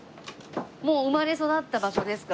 もう生まれ育った場所ですか？